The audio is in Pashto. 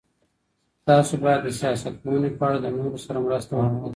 تاسو بايد د سياست پوهني په اړه د نورو سره مرسته وکړئ.